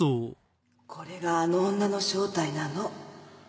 これがあの女の正体なの。